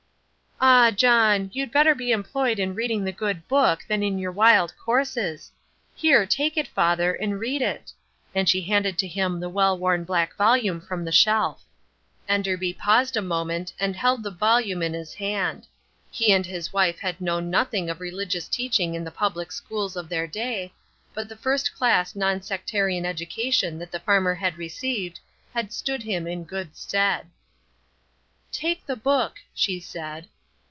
"Ah, John, you'd better be employed in reading the Good Book than in your wild courses. Here take it, father, and read it"—and she handed to him the well worn black volume from the shelf. Enderby paused a moment and held the volume in his hand. He and his wife had known nothing of religious teaching in the public schools of their day, but the first class non sectarian education that the farmer had received had stood him in good stead. "Take the book," she said.